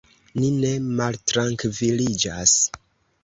Ni ne maltrankviliĝas.